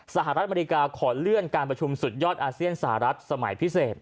สหรัฐอเมริกาขอเลื่อนการประชุมสุดยอดอาเซียนสหรัฐสมัยพิเศษ